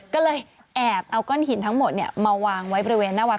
ก็เลยแอบเอาก้อนหินทั้งหมดมาวางไว้บริเวณหน้าวัด